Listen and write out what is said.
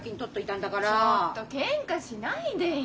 ちょっとけんかしないでよ。